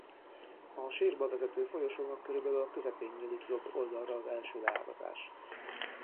A sírba vezető folyosónak körülbelül a közepén nyílik jobb oldalra az első leágazás.